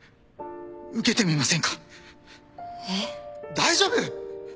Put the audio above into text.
大丈夫！